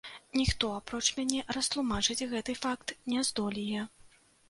Ніхто апроч мяне растлумачыць гэты факт не здолее.